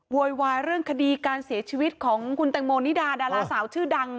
โวยวายเรื่องคดีการเสียชีวิตของคุณแตงโมนิดาดาราสาวชื่อดัง